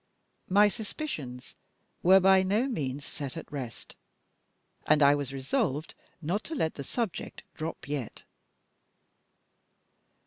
My suspicions were by no means set at rest; and I was resolved not to let the subject drop yet.